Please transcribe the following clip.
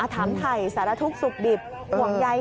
ถามถ่ายสารทุกข์สุขดิบห่วงใย